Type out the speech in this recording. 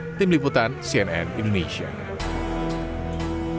ycomee podcast adalah ekor derubu dan jawabannya olehapo com